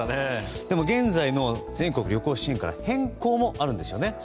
でも現在の全国旅行支援から変更もあるんですよね。